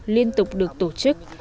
liên tục được tổ chức